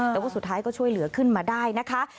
แต่ว่าสุดท้ายก็ช่วยเหลือขึ้นมาได้นะคะ